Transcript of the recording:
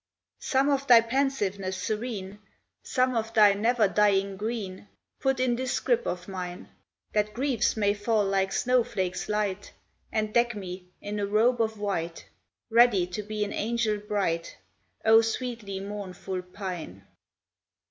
Some of thy pensiveness serene, Some of thy never dying green, Put in this scrip of mine, That griefs may fall like snow flakes light, And deck me in a robe of white, Ready to be an angel bright, O sweetly mournful pine.